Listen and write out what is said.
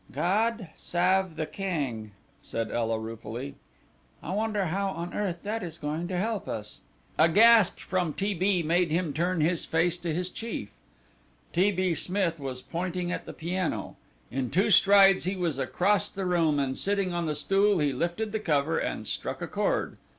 "God sav the Keng!" said Ela ruefully. "I wonder how on earth that is going to help us." A gasp from T. B. made him turn his face to his chief. T. B. Smith was pointing at the piano. In two strides he was across the room, and sitting on the stool he lifted the cover and struck a chord.